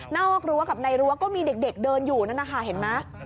นอกรั้วกับในรั้วก็มีเด็กเดินอยู่นั่นนะคะเห็นไหม